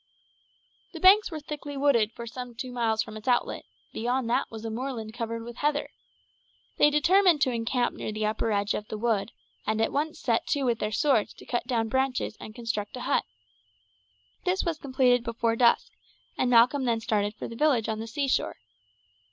The banks were thickly wooded for some two miles from its outlet; beyond that was a moorland covered with heather. They determined to encamp near the upper edge of the wood, and at once set to with their swords to cut down branches and construct a hut. This was completed before dusk, and Malcolm then started for the village on the seashore.